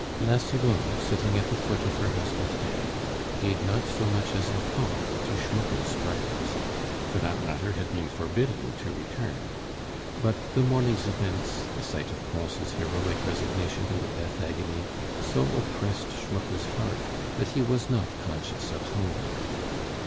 La Cibot, sitting at the foot of her husband's bed, gave not so much as a thought to Schmucke's breakfast for that matter had been forbidden to return; but the morning's events, the sight of Pons' heroic resignation in the death agony, so oppressed Schmucke's heart that he was not conscious of hunger.